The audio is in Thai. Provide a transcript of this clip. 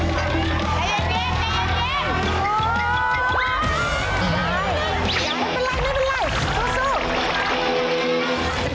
ไม่เป็นไรสู้